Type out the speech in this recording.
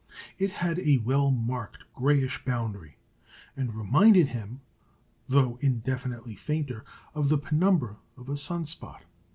It had a well marked grayish boundary, and reminded him, though indefinitely fainter, of the penumbra of a sun spot.